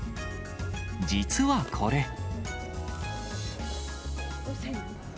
実はこれ。